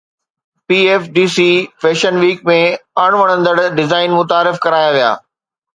PFDC fashion week ۾ اڻ وڻندڙ design متعارف ڪرايا ويا